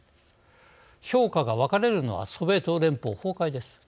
評価が分かれるのはソビエト連邦、崩壊です。